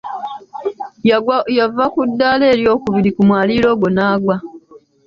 Yava ku ddaala eryokubiri ku mwaliiro ogwo n'agwa.